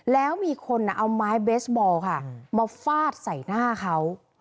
แล้วมีคนเอาไม้เบสบอลค่ะมาฟาดใส่หน้าเขา